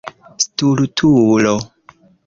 stultulo